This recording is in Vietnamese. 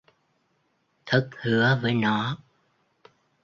Thất hứa với nó